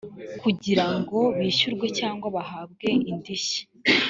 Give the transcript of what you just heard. kugirango bishyurwe cyangwa bahabwe indishyi